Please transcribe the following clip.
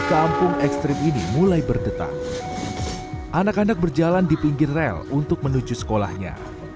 kampung ekstrim ini mulai berdetak anak anak berjalan di pinggir rel untuk menuju sekolahnya